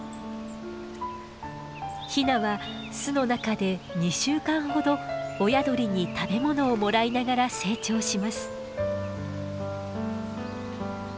ヒナは巣の中で２週間ほど親鳥に食べ物をもらいながら成長します。